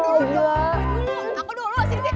lo punya aku dulu